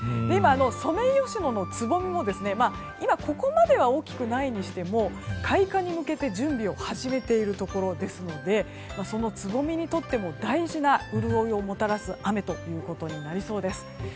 今、ソメイヨシノのつぼみも今、ここまでは大きくないにしても開花に向けて準備を始めているところですのでそのつぼみにとっても大事な潤いをもたらす雨ということになりそうです。